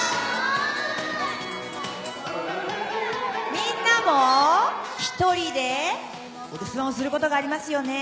「みんなも１人でお留守番をすることがありますよね。